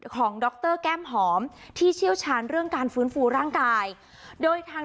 ของดอกเตอร์แก้มหอมที่เชี่ยวชาญเรื่องการฟื้นฟูร่างกาย